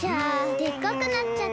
でっかくなっちゃった。